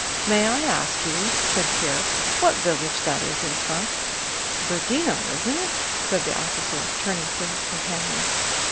"May I ask you," said Pierre, "what village that is in front?" "Búrdino, isn't it?" said the officer, turning to his companion.